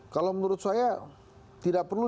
kalau menurut saya tidak perlu